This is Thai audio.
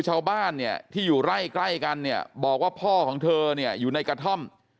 ชาวบ้านที่อยู่ไล่ใกล้กันบอกว่าพ่อของเธออยู่ในกระท่อม